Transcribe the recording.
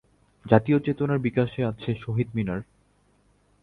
জাতীয় চেতনার বিকাশে আছে শহীদ মিনার।